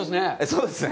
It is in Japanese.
そうですね。